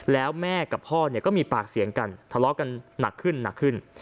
แล้วแม่กับพ่อเนี่ยก็มีปากเสียงกันทะเลาะกันหนักขึ้นหนักขึ้น